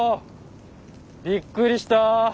びっくりした。